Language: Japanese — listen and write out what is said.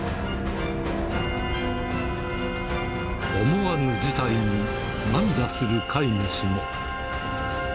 思わぬ事態に、涙する飼い主も。